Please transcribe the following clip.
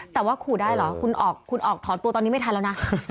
แต่ว่าขู่ได้เหรอคุณออกถอนตัวตอนนี้ไม่ทันแล้วนะ